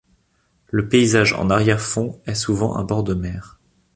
Le paysage en arrière fond est souvent un bord de mer.